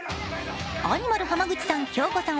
アニマル浜口さん、京子さん